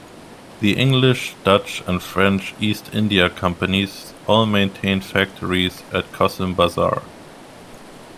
The English, Dutch and French East India companies all maintained factories at Cossimbazar.